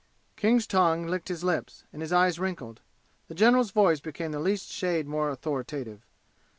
King's tongue licked his lips, and his eyes wrinkled. The general's voice became the least shade more authoritative.